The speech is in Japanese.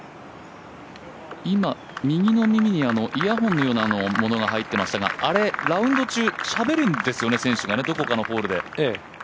今、右の耳にイヤホンのようなものがあれ、ラウンド中しゃべるんですよね、選手がどこかのホールで。